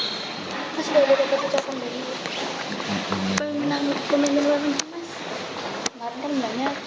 pemilik pemerintahan baru juga mas